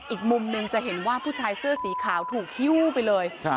อีกมุมหนึ่งจะเห็นว่าผู้ชายเสื้อสีขาวถูกฮิ้วไปเลย